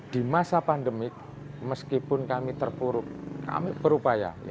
di masa pandemik meskipun kami terpuruk kami berupaya